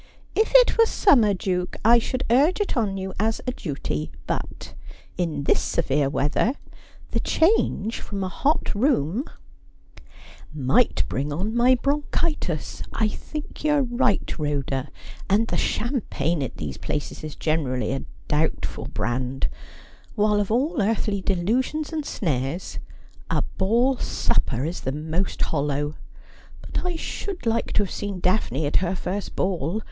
' If it were in summer, Duke, I should urge it on you as a duty • but in this severe weather the change from a hot room '' 'And hi My Uerle rvondren I Began.^ 185 ' Might bring on my bronchitis. I think you're right, Rhoda. And the champagne at these places is generally a doubtful brand, while of all earthly delusions and snares a ball supper is the most hollow. But I should like to have seen Daphne at her first ball.